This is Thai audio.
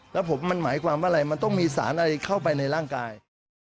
แล้วผมมันหมายความว่าอะไรมันต้องมีสารอะไรเข้าไปในร่างกาย